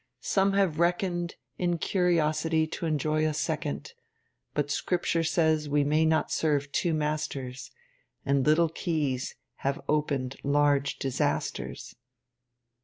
Some have reckon'd_ In Curiosity t' enjoy a second. But Scripture says we may not serve two masters, _And little keys have opened large disasters.